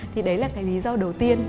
thì đấy là cái lý do đầu tiên